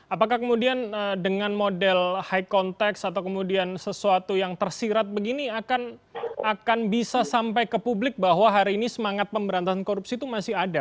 apakah kemudian dengan model high context atau kemudian sesuatu yang tersirat begini akan bisa sampai ke publik bahwa hari ini semangat pemberantasan korupsi itu masih ada